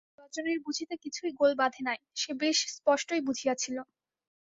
রজনীর বুঝিতে কিছুই গোল বাধে নাই, সে বেশ স্পস্টই বুঝিয়াছিল।